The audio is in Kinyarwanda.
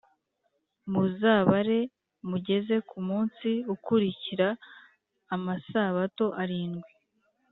Muzabare mugeze ku munsi ukurikira amasabato arindwi